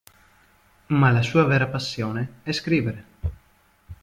Ma la sua vera passione è scrivere.